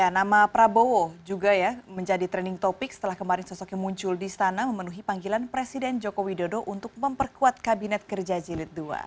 nama prabowo juga ya menjadi trending topic setelah kemarin sosoknya muncul di istana memenuhi panggilan presiden joko widodo untuk memperkuat kabinet kerja jilid ii